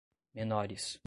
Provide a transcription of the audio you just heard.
menores